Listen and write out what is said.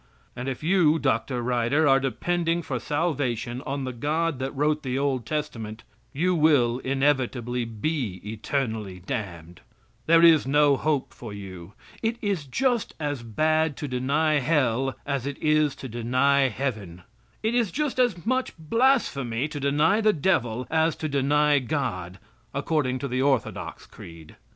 And if you, Dr. Ryder, are depending for salvation on the God that wrote the Old Testament, you will inevitably be eternally damned. There is no hope for you. It is just as bad to deny Hell as it is to deny Heaven. It is just as much blasphemy to deny the devil as to deny God, according to the orthodox creed.